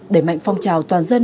để mạnh phong trào toàn dân